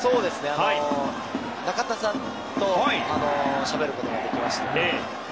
中田さんとしゃべることができました。